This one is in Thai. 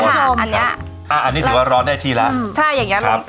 อ๋อเตาทำไงครับ